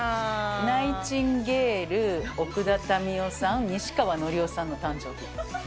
ナイチンゲール、奥田民生さん、西川のりおさんの誕生日。